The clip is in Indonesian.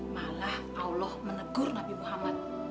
malah allah menegur nabi muhammad